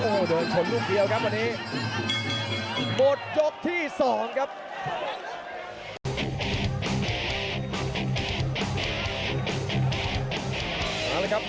กระโดยสิ้งเล็กนี่ออกกันขาสันเหมือนกันครับ